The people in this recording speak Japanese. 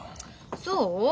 そう？